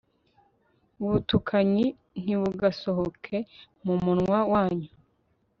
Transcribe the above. ubutukanyi ntibugasohoke mu munwa wanyu